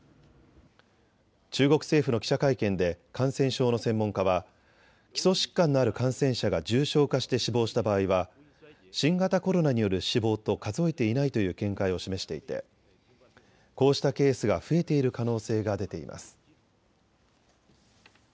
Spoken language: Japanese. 中国政府の記者会見で感染症の専門家は基礎疾患のある感染者が重症化して死亡した場合は新型コロナによる死亡と数えていないという見解を示していてこうしたケースが増えている可能性が出ています。